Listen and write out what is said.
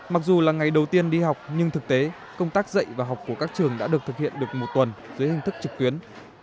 mặc dù là ngày đầu tiên đi học nhưng thực tế công tác dạy và học của các trường đã được thực hiện được một tuần dưới hình thức trực tuyến